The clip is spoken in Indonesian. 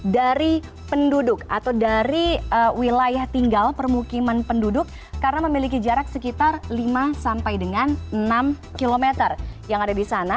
dari penduduk atau dari wilayah tinggal permukiman penduduk karena memiliki jarak sekitar lima sampai dengan enam km yang ada di sana